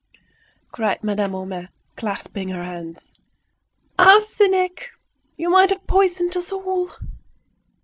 cried Madame Homais, clasping her hands. "Arsenic! You might have poisoned us all."